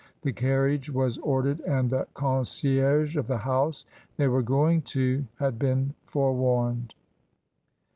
The carriage was ordered and the concierge of the house they were going to had been forewarned.